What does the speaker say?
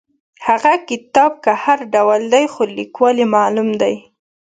هغه کتاب که هر ډول دی خو لیکوال یې معلوم دی.